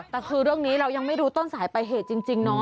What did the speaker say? แต่คือเรื่องนี้เรายังไม่รู้ต้นสายไปเหตุจริงเนาะ